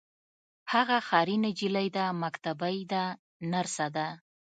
هغه ښاري نجلۍ ده مکتبۍ ده نرسه ده.